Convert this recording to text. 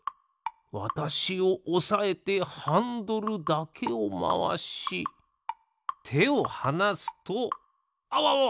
わたしをおさえてハンドルだけをまわしてをはなすとあわわわ！